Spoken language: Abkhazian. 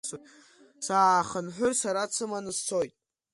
Саахынҳәыр, сара дсыманы сцоит…